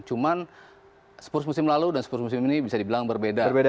cuman spurs musim lalu dan spurs musim ini bisa dibilang berbeda